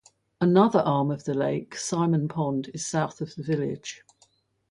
Another arm of the lake, Simon Pond, is south of the village.